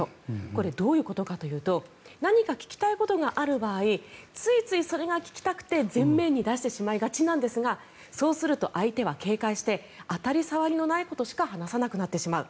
これ、どういうことかというと何か聞きたいことがある場合ついついそれが聞きたくて前面に出してしまいがちなんですがそうすると相手は警戒して当たり障りのないことしか話さなくなってしまう。